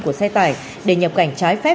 của xe tải để nhập cảnh trái phép